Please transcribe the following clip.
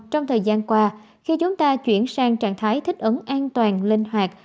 trong thời gian qua khi chúng ta chuyển sang trạng thái thích ứng an toàn linh hoạt